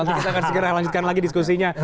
nanti kita akan segera lanjutkan lagi diskusinya